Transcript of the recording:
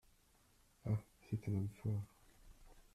Ah ! c'est un homme fort !